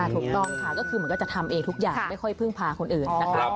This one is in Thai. ถูกต้องค่ะก็คือเหมือนก็จะทำเองทุกอย่างไม่ค่อยพึ่งพาคนอื่นนะคะ